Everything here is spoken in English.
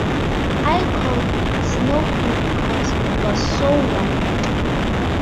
I called it Snow Queen because it was so white.